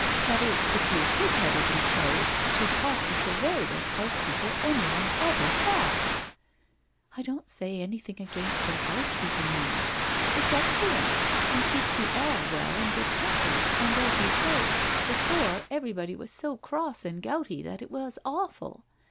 That is if you pigheadedly chose to part with the very best housekeeper anyone ever had.' ' I don't say anything against her housekeeping, mamma. It's excellent and keeps you all well and good tempered, and as you say, before, everybody was so cross and gouty, that it was awful